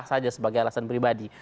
iya sah saja sebagai alasan pribadi